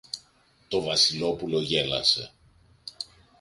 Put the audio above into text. Το Βασιλόπουλο γέλασε.